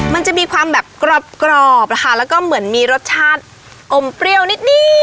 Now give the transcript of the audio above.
มันจะมีความแบบกรอบค่ะแล้วก็เหมือนมีรสชาติอมเปรี้ยวนิด